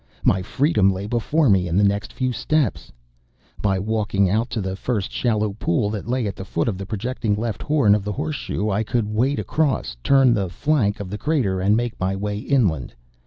My freedom lay before me in the next few steps! By walking out to the first shallow pool that lay at the foot of the projecting left horn of the horseshoe, I could wade across, turn the flank of the crater, and make my way inland.